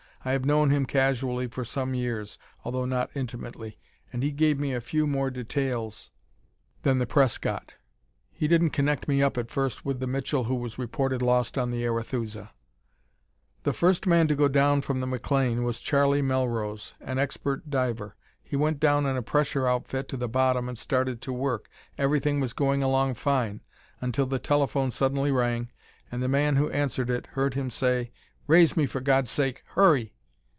I have known him casually for some years, although not intimately, and he gave me a few more details than the press got. He didn't connect me up at first with the Mitchell who was reported lost on the Arethusa. "The first man to go down from the MacLean was Charley Melrose, an expert diver. He went down in a pressure outfit to the bottom and started to work. Everything was going along fine until the telephone suddenly rang and the man who answered it heard him say, 'Raise me, for God's sake! Hurry!'